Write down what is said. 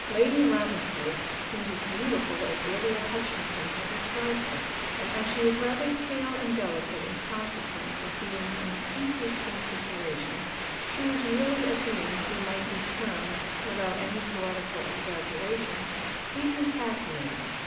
Lady Ravensworth seemed as beautiful as Lydia Hutchinson had described her; and, as she was rather pale and delicate in consequence of being in an "interesting situation," she was really a being who might be termed, without any poetical exaggeration, sweetly fascinating.